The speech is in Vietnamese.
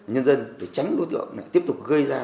nhân dân để tránh đối tượng lại tiếp tục gây ra